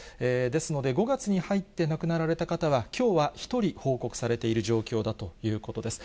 ですので、５月に入って亡くなられた方はきょうは１人報告されている状況だということです。